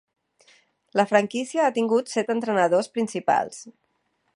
La franquícia ha tingut set entrenadors principals.